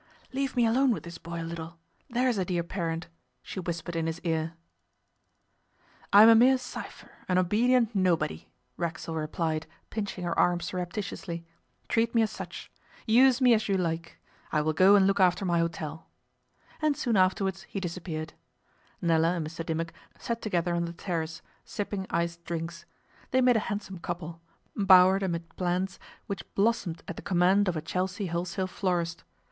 'Leave me alone with this boy a little there's a dear parent,' she whispered in his ear. 'I am a mere cypher, an obedient nobody,' Racksole replied, pinching her arm surreptitiously. 'Treat me as such. Use me as you like. I will go and look after my hotel' And soon afterwards he disappeared. Nella and Mr Dimmock sat together on the terrace, sipping iced drinks. They made a handsome couple, bowered amid plants which blossomed at the command of a Chelsea wholesale florist.